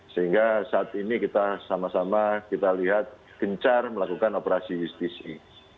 sehingga saat ini kita sama sama kita lihat gencar melakukan operasi justisi